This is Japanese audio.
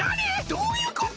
どういうこと？